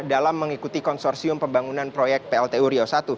dalam mengikuti konsorsium pembangunan proyek plt uriau i